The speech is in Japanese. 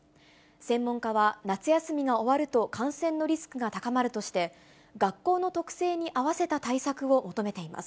専門家は、夏休みが終わると感染のリスクが高まるとして、学校の特性に合わせた対策を求めています。